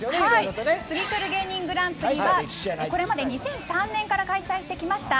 ツギクル芸人グランプリはこれまで２００３年から開催してきました